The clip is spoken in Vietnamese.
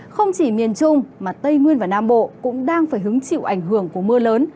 không chỉ miền trung mà tây nguyên và nam bộ cũng đang phải hứng chịu ảnh hưởng của mưa lớn